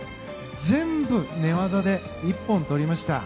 全部、寝技で一本取りました。